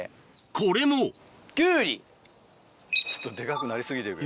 これもちょっとデカくなり過ぎてるけど。